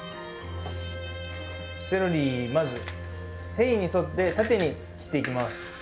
セロリまず繊維に沿って縦に切っていきます。